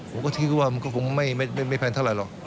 ผมก็คิดว่าก็ไม่แพงเท่าไรหรอก